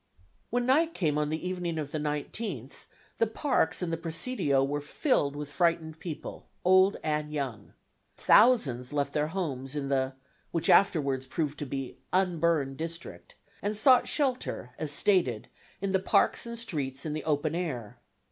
When night came on the evening of the 19th, the parks and the Presidio were filled with frightened people, old and young. Thousands left their homes in the (which afterwards proved to be) unburned district, and sought shelter, as stated, in the parks and streets in the open air.